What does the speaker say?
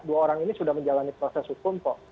dua orang ini sudah menjalani proses hukum kok